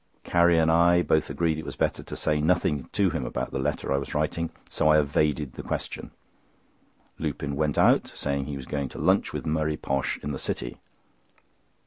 Carrie and I both agreed it was better to say nothing to him about the letter I was writing, so I evaded the question. Lupin went out, saying he was going to lunch with Murray Posh in the City.